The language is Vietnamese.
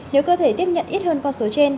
nếu cơ thể tiếp nhận ít hơn con số trên